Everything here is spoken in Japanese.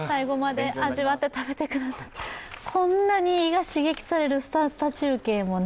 こんなに胃が刺激されるすたすた中継もね。